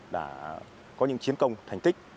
đã có những chiến công thành tích